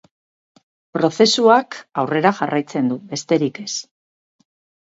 Prozesuak aurrera jarraitzen du, besterik ez.